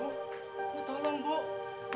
tidak coba kamu dz talentauch